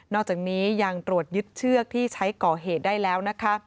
อกจากนี้ยังตรวจยึดเชือกที่ใช้ก่อเหตุได้แล้วนะคะ